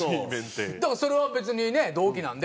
だからそれは別にね同期なんで。